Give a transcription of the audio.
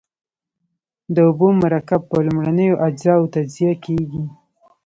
د اوبو مرکب په لومړنیو اجزاوو تجزیه کیږي.